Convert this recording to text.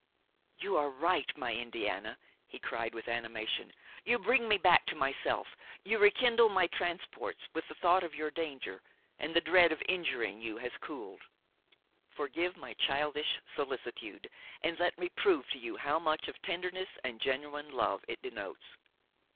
"You are right, my Indiana," he cried with animation, "you bring me back to myself, you rekindle my transports with the thought of your danger and the dread of injuring you has cooled. Forgive my childish solicitude and let me prove to you how much of tenderness and genuine love it denotes.